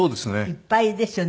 いっぱいですよね。